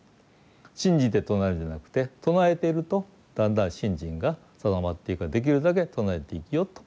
信じて唱えるんじゃなくて唱えているとだんだん信心が定まっていくからできるだけ唱えて生きよと。